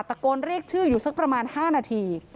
ตะโกนเรียกชื่ออยู่สักประมาณ๕นาที